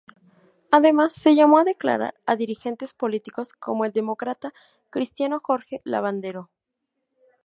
Además, se llamó a declarar a dirigentes políticos, como el demócrata cristiano Jorge Lavandero.